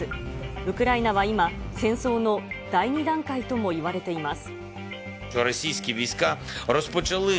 ウクライナは今、戦争の第２段階ともいわれています。